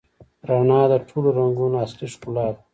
رڼا د ټولو رنګونو اصلي ښکلا ده.